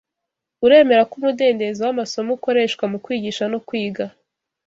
Uremera ko umudendezo wamasomo ukoreshwa mukwigisha no kwiga